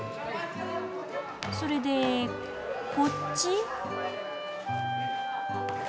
それでこっち？